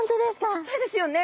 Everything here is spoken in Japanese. ちっちゃいですよね。